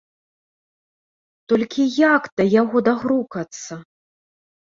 Толькі як да яго дагрукацца?